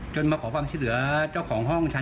จนมาขอความชิดเหลือเจ้าของห้องชั้น๒๖